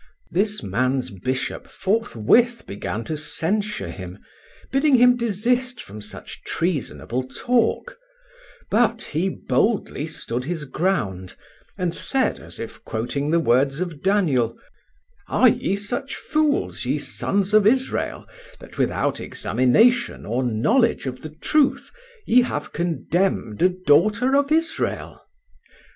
This man's bishop forthwith began to censure him, bidding him desist from such treasonable talk, but he boldly stood his ground, and said, as if quoting the words of Daniel: "'Are ye such fools, ye sons of Israel, that without examination or knowledge of the truth ye have condemned a daughter of Israel?